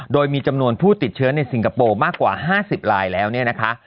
โดยมีจำนวนผู้ติดเชื้อในสิงคโปร์มากกว่า๕๐ลายแล้วเนี่ยนะคะ